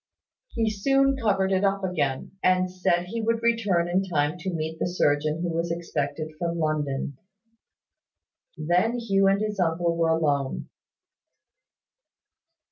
He soon covered it up again, and said he would return in time to meet the surgeon who was expected from London. Then Hugh and his uncle were alone.